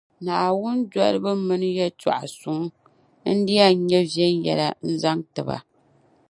Naawuni dolibu mini yεltɔɣa suŋ, n-di yɛn nyɛ viɛnyɛla n zaŋ ti ba.